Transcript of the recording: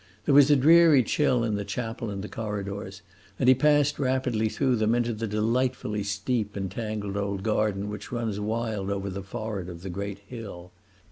There was a dreary chill in the chapel and the corridors, and he passed rapidly through them into the delightfully steep and tangled old garden which runs wild over the forehead of the great hill.